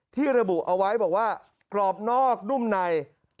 ที่ระบุเอาไว้บอกว่ากรอบนอกนุ่มใน